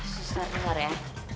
susah bener ya